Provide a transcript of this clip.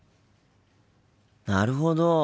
なるほど。